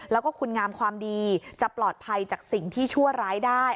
แล้วก็คุณงามความดีจะปลอดภัยจากสิ่งที่ชั่วร้ายได้